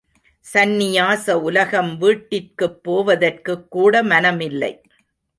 சந்நியாச உலகம் வீட்டிற்குப் போவதற்குக் கூட மனமில்லை.